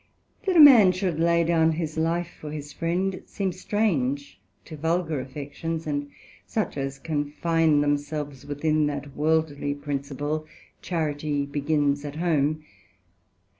That a man should lay down his life for his Friend, seems strange to vulgar affections, and such as confine themselves within that Worldly principle, Charity begins at home.